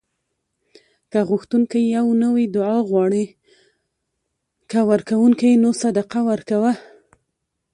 که غوښتونکی یې نو دعا غواړه؛ که ورکونکی یې نو صدقه ورکوه